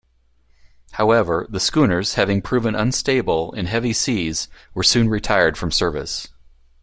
However, the schooners, having proven unstable in heavy seas, were soon retired from service.